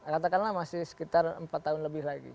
katakanlah masih sekitar empat tahun lebih lagi